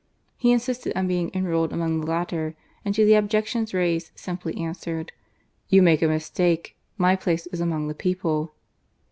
He insisted on being enrolled among the latter, and to the objections raised, simply answered :" You make a mistake. My place is among the people."